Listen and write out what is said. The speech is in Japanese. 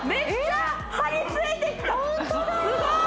すごい！